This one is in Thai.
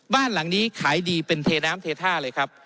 บ้านหลังนี้ขายดีเป็นเทน้ำเทท่าเลยครับ